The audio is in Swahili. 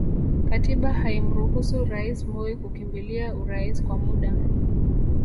Katiba haikumruhusu Rais Moi kukimbilia urais kwa muda